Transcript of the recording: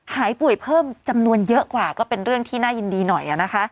หายป่วยเพิ่มจำนวนเยอะกว่าก็เป็นเรื่องที่น่ายินดีหน่อยนะคะ